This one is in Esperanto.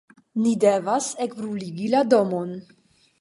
Ni devas ekbruligi la domon.